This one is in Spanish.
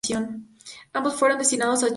Ambos fueron destinados a China.